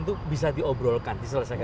itu bisa diobrolkan